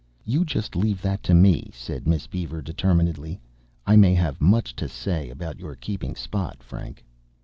"You just leave that to me," said Miss Beaver determinedly. "I may have much to say about your keeping Spot, Frank."